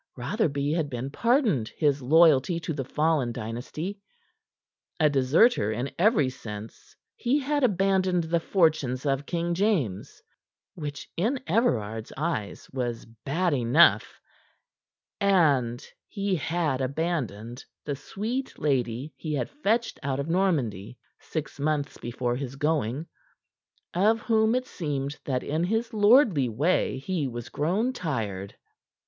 Rotherby had been pardoned his loyalty to the fallen dynasty. A deserter in every sense, he had abandoned the fortunes of King James which in Everard's eyes was bad enough and he had abandoned the sweet lady he had fetched out of Normandy six months before his going, of whom it seemed that in his lordly way he was grown tired.